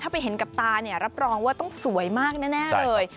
ถ้าไปเห็นกับตาเนี่ยรับรองว่าต้องสวยมากแน่เลย